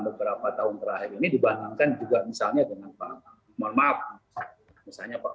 beberapa tahun terakhir ini dibandingkan juga misalnya dengan pak mohon maaf misalnya pak